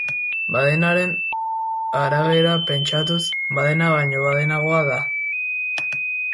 Badenaren arabera pentsatuz, badena baino badenago da.